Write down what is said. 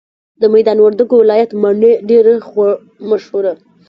د ميدان وردګو ولايت مڼي ډيري مشهوره او خوږې دي